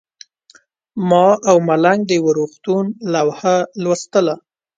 ما او ملنګ د یو روغتون لوحه لوستله.